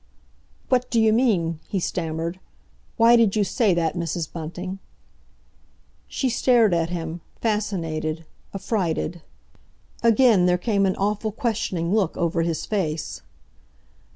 "What d'you mean?" he stammered. "Why did you say that, Mrs. Bunting?" She stared at him, fascinated, affrighted. Again there came an awful questioning look over his face.